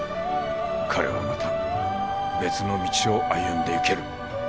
彼はまた別の道を歩んでいける。